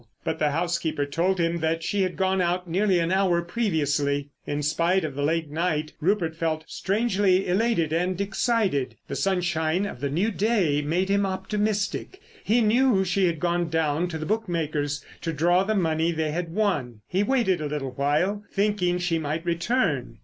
But the housekeeper told him that she had gone out nearly an hour previously. In spite of the late night, Rupert felt strangely elated and excited. The sunshine of the new day made him optimistic. He knew she had gone down to the bookmakers to draw the money they had won. He waited a little while thinking she might return.